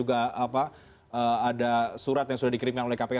ada surat yang sudah dikirimkan oleh kpk